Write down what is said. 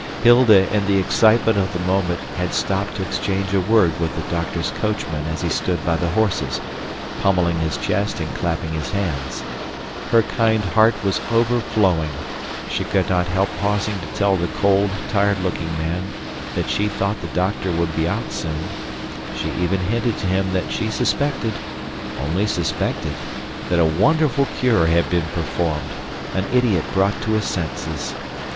Hilda, in the excitement of the moment, had stopped to exchange a word with the doctor's coachman as he stood by the horses, pommelling his chest and clapping his hands. Her kind heart was overflowing. She could not help pausing to tell the cold, tired looking man that she thought the doctor would be out soon; she even hinted to him that she suspected only suspected that a wonderful cure had been performed, an idiot brought to his senses.